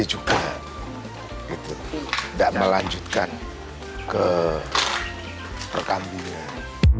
jadi juga tidak melanjutkan ke perkembangan